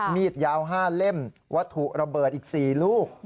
มีดยาว๕เล่มวัตถุระเบิดอีก๔ลูก